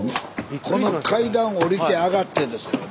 この階段下りて上がってですからね。